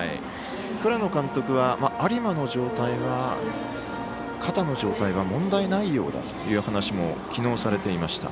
倉野監督は有馬の肩の状態は問題ないようだという話も昨日されていました。